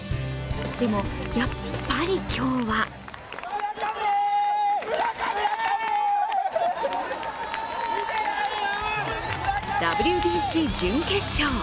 でも、やっぱり今日はＷＢＣ準決勝。